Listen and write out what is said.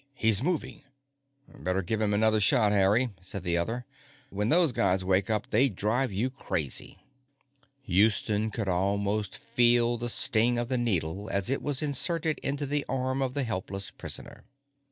He's moving!" "Better give him another shot, Harry;" said the other, "when those guys wake up, they drive you crazy." Houston could almost feel the sting of the needle as it was inserted into the arm of the helpless prisoner.